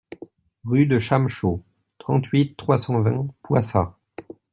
Rue de Chamechaude, trente-huit, trois cent vingt Poisat